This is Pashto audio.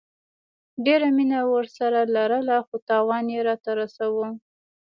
ډيره مينه ورسره لرله خو تاوان يي راته رسوو